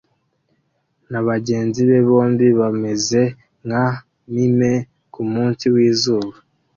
nabagenzi be bombi bameze nka mime kumunsi wizuba